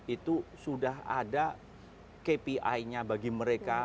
itu sudah ada kpi nya bagi mereka